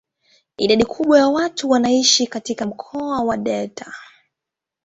Idadi kubwa ya watu wanaishi katika mkoa wa delta.